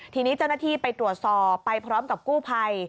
ทีนี้เจ้าหน้าที่ไปตรวจสอบไปพร้อมกับกู้ภัย